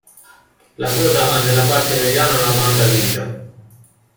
La coda ha nella parte mediana una banda grigia.